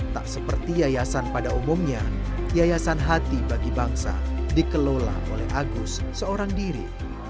tak seperti yayasan pada umumnya yayasan hati bagi bangsa dikelola oleh agus seorang diri